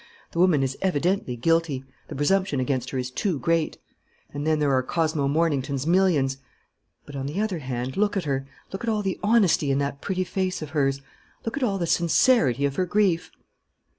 The woman is evidently guilty. The presumption against her is too great! ... And then there are Cosmo Mornington's millions.... But, on the other hand, look at her ... look at all the honesty in that pretty face of hers, look at all the sincerity of her grief."